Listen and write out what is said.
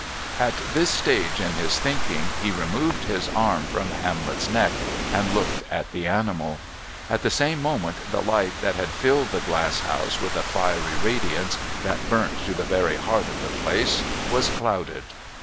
At this stage in his thinking he removed his arm from Hamlet's neck and looked at the animal. At the same moment the light that had filled the glass house with a fiery radiance that burnt to the very heart of the place was clouded.